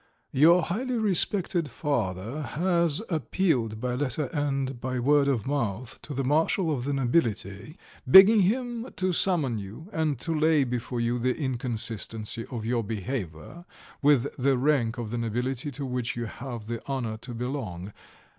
Your highly respected father has appealed by letter and by word of mouth to the Marshal of the Nobility begging him to summon you, and to lay before you the inconsistency of your behaviour with the rank of the nobility to which you have the honour to belong.